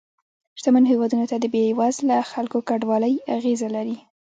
شتمنو هېوادونو ته د بې وزله خلکو کډوالۍ اغیزه لري